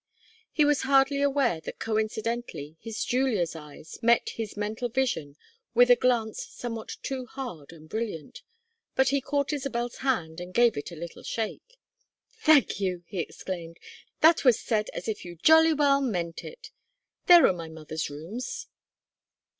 He was hardly aware that coincidentally his Julia's eyes met his mental vision with a glance somewhat too hard and brilliant, but he caught Isabel's hand and gave it a little shake. "Thank you!" he exclaimed. "That was said as if you jolly well meant it. There are my mother's rooms."